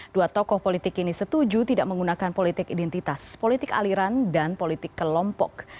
dua tokoh politik ini setuju tidak menggunakan politik identitas politik aliran dan politik kelompok